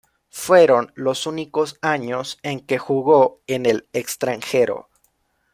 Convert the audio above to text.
Fueron los únicos años en que jugó en el extranjero.